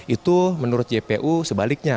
itu menurut jpu sebaliknya